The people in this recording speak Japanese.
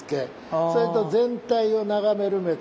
それと「全体を眺める目付」